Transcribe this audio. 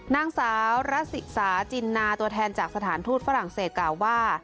นางสาวรัสสิสาจินนาตัวแทนจากสถานทูตฝรั่งเศสกล่าวว่า